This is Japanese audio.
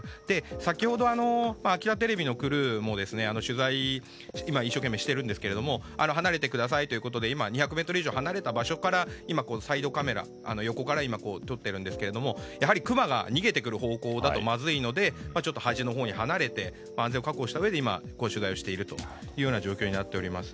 先ほど、秋田テレビのクルーも取材を今、一生懸命しているんですけど離れてくださいということで２００ｍ以上離れた場所からサイドカメラ横から撮っているんですけどもやはりクマが逃げてくる方向だとまずいのでちょっと端のほうに離れて安全を確保したうえで今、取材をしているという状況になっています。